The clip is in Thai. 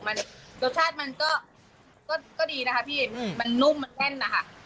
มันรสชาติมันก็ดีนะคะพี่มันนุ่มมันแน่นนะคะ